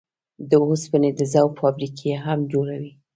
د اوسپنې د ذوب فابريکې هم جوړوي.